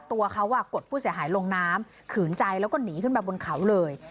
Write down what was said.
ตัวเขากดผู้เสียหายลงน้ำขืนใจแล้วก็หนีขึ้นมาบนเขาเลย